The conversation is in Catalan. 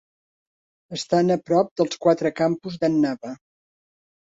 Estan a prop dels quatre campus d'Annaba.